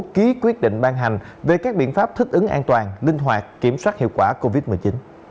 ký quyết định ban hành về các biện pháp thích ứng an toàn linh hoạt kiểm soát hiệu quả covid một mươi chín